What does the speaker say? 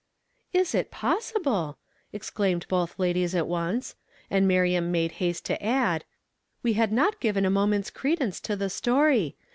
" Is it possible ?" exclaimed both ladies at once ; and Miriam made haste to add, —" We had not given a moment's credence to the story.